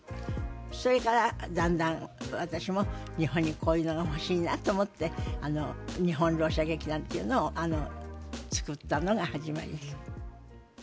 それからだんだん私も日本にこういうのが欲しいなと思って日本ろう者劇団というのを作ったのが始まりです。